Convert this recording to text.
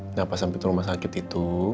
kenapa sampai ke rumah sakit itu